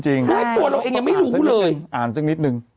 ใช่ตัวเราเองยังไม่รู้เลยอ่านสักนิดนึง